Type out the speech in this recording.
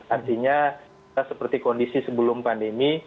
artinya seperti kondisi sebelum pandemi